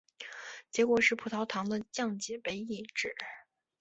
结果是葡萄糖的降解被抑制。